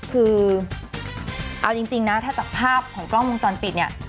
คือเอาจริงนะถ้าจากภาพของกล้องวงจรปิดเนี่ย